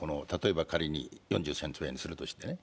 仮に４３兆円にするとしてね。